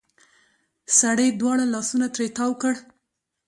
سړې دواړه لاسونه ترې تاو کړل.